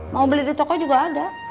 mau beli di toko juga ada